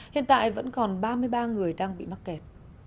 hiện tại vẫn còn ba mươi ba người đang bị mắc kẹt